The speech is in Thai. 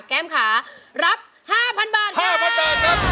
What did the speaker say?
แก้มขารับ๕๐๐๐บาทค่ะ